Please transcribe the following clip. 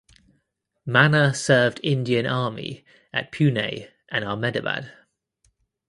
Manna served Indian Army at Pune and Ahmedabad.